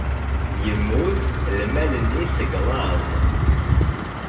Yemmut lmal-nni seg laẓ.